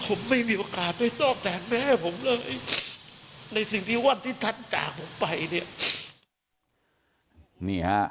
ผมไม่มีโอกาสได้ตอบแทนแม่ผมเลยในสิ่งที่วันที่ท่านจากผมไปเนี่ย